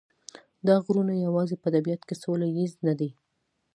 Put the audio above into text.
دا غرونه یوازې په طبیعت کې سوله ییز نه دي.